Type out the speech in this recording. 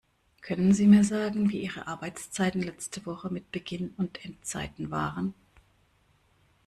Können sie mir sagen, wir ihre Arbeitszeiten letzte Woche mit Beginn und Endzeiten waren?